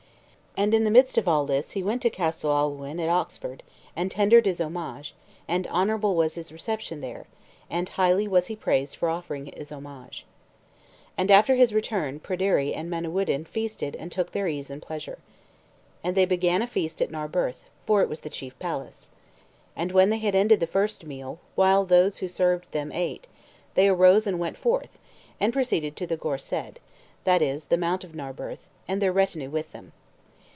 And in the midst of all this he went to Caswallawn at Oxford, and tendered his homage; and honorable was his reception there, and highly was he praised for offering his homage. And after his return Pryderi and Manawyddan feasted and took their ease and pleasure. And they began a feast at Narberth, for it was the chief palace. And when they had ended the first meal, while those who served them ate, they arose and went forth, and proceeded to the Gorsedd, that is, the Mount of Narberth, and their retinue with them.